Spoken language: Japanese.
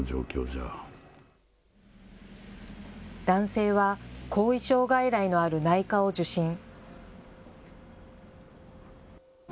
男性は後遺症外来のある内科を受診。